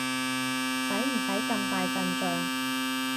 使唔使咁大陣仗？